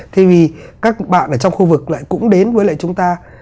thế vì các bạn ở trong khu vực lại cũng đến với lại chúng ta